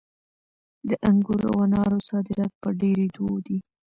د انګورو او انارو صادرات په ډېرېدو دي.